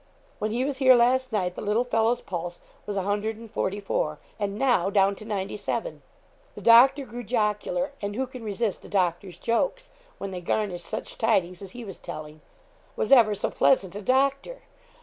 When he was here last night, the little fellow's pulse was a hundred and forty four, and now down to ninety seven! The doctor grew jocular; and who can resist a doctor's jokes, when they garnish such tidings as he was telling. Was ever so pleasant a doctor!